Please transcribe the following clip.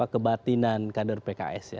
kebatinan kader pks ya